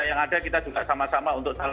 yang ada kita juga sama sama untuk